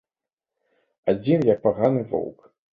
Адзін, як паганы воўк.